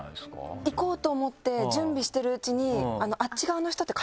いこうと思って準備してるうちに。